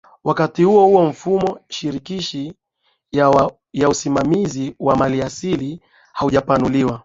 Wakati huohuo mifumo shirikishi ya usimamizi wa maliasili haijapanuliwa